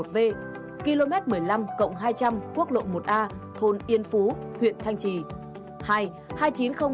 một hai nghìn chín trăm linh một v km một mươi năm hai trăm linh quốc lộ một a thôn yên phú huyện thanh trì